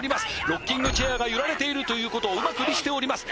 ロッキングチェアが揺られているということをうまく利しております